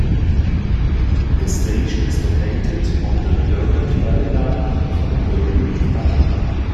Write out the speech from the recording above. The station is located on the Derwent Valley Line from Derby to Matlock.